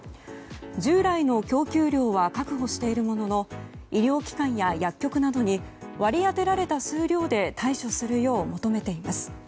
従来の供給量は確保しているものの医療機関や薬局などに割り当てられた数量で対処するよう求めています。